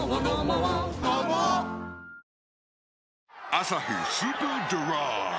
「アサヒスーパードライ」